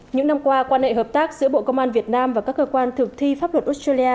những năm qua quan hệ hợp tác giữa bộ công an việt nam và các cơ quan thực thi pháp luật australia